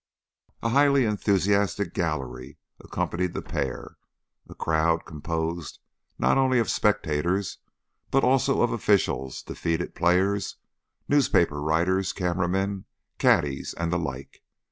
A highly enthusiastic "gallery" accompanied the pair, a crowd composed not only of spectators, but also of officials, defeated players, newspaper writers, camera men, caddies, and the like.